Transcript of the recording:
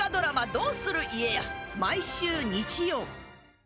「どうする家康」毎週日曜。